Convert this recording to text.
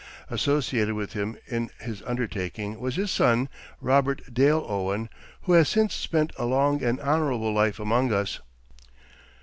Associated with him in this undertaking was his son, Robert Dale Owen, who has since spent a long and honorable life among us.